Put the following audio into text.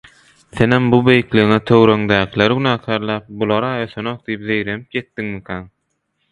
Senem şu beýikligiňe töweregiňdäkileri günäkärläp, “bulara ösenok” diýip zeýrenip ýetdiňmikäň?